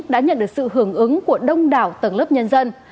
đã nhận được sự hưởng ứng của đông đảo tầng lớp nhân dân